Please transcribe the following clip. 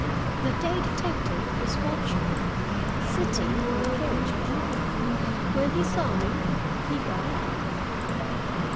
The day detective was watching him, sitting on the carriage block. When he saw me, he got up.